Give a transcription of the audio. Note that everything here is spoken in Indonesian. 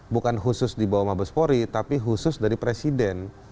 bukan khusus di bawah mabes polri tapi khusus dari presiden